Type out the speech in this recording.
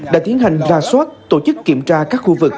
đã tiến hành ra soát tổ chức kiểm tra các khu vực